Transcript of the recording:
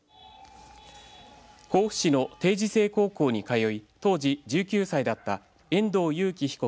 甲府市の定時制高校に通い当時１９歳だった遠藤裕喜被告